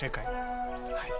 はい。